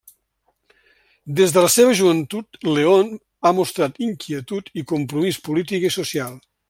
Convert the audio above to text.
Des de la seva joventut León ha mostrat inquietud i compromís polític i social.